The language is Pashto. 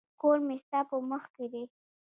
کور مي ستا په مخ کي دی.